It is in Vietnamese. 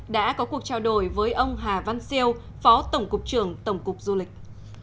đã có cuộc trao đổi với ông hà văn siêu phó tổng cục trưởng tổng cục du lịch